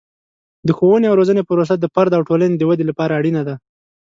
د ښوونې او روزنې پروسه د فرد او ټولنې د ودې لپاره اړینه ده.